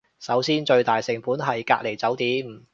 首先最大成本係隔離酒店